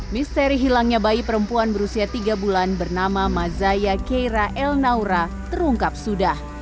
misteri hilangnya bayi perempuan berusia tiga bulan bernama mazaya keira elnaura terungkap sudah